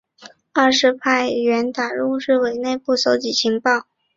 二是派员打入日伪内部搜集情报。